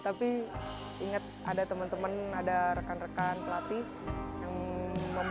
tapi inget ada temen temen ada rekan rekan pelatih yang membangun semangat